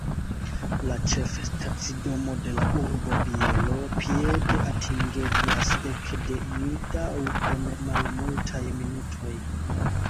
La ĉefstacidomo de la urbo Bielo piede atingeblas ek de Nidau en malmultaj minutoj.